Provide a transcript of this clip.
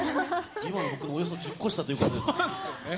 今の僕のおよそ１０個下ということですね。